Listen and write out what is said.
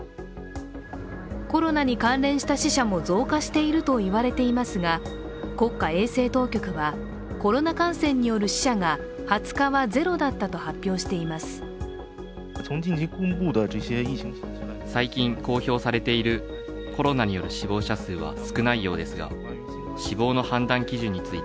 コロナに関連した死者も増加していると言われていますが、国家衛生当局はコロナ感染による死者が２０日はゼロだったと発表しています。